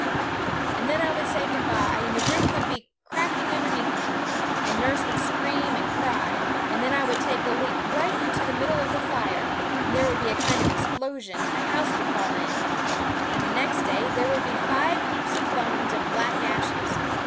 And then I would say good bye; and the roof would be cracking underneath me; and nurse would scream and cry; and then I would take a leap right into the middle of the fire; and there would be a kind of explosion, and the house would fall in; and the next day there would be five heaps of bones and black ashes!